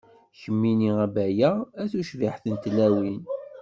Kemmini a Baya, a tucbiḥt n tlawin.